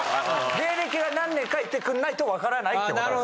芸歴が何年か言ってくんないとわからないってことです。